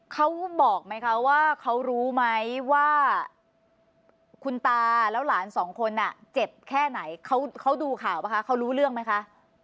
เขาบอกไหมคะว่าเขารู้ไหมว่าคุณตาแล้วหลานสองคนเจ็บแค่ไหนเขาดูข่าวป่ะคะเขารู้เรื่องไหมคะ